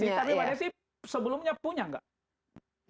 tapi mbak desi sebelumnya punya nggak